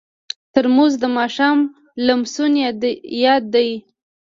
ترموز د ماښام لمسون یاد دی.